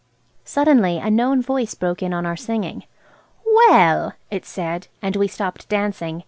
Suddenly a known voice broke in on our singing. "Well!" it said. And we stopped dancing.